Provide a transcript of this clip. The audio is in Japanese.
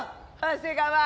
長谷川！